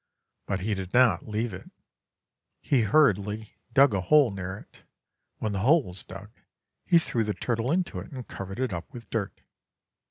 But he did not leave it. He hurriedly dug a hole near it; when the hole was dug, he threw the turtle into it and covered it up with dirt.